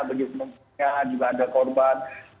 jadi memang juga ada korban